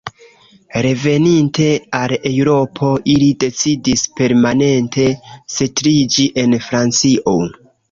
Reveninte al Eŭropo, ili decidis permanente setliĝi en Francio.